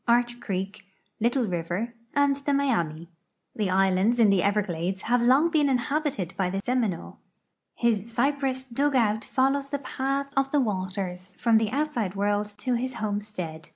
Arch creek, Little river, and the ^liami. The islands in the Everglades have long been inhabited by the Seminole. His cy})ress dug out follows the ])ath of the waters from the outside world to his homestead.